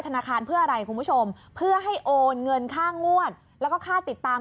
ธนาคารเพื่ออะไรคุณผู้ชมเพื่อให้โอนเงินค่างวดแล้วก็ค่าติดตาม